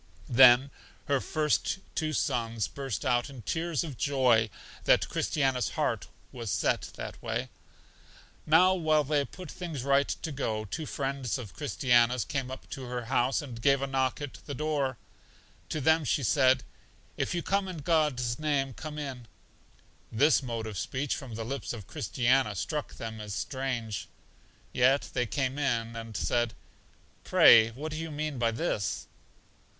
Then her first two sons burst out in tears of joy that Christiana's heart was set that way. Now while they put all things right to go, two friends of Christiana's came up to her house, and gave a knock at the door. To them she said, If you come in God's name, come in. This mode of speech from the lips of Christiana struck them as strange. Yet they came in, and said, Pray what do you mean by this?